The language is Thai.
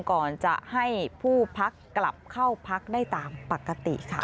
ก่อนจะให้ผู้พักกลับเข้าพักได้ตามปกติค่ะ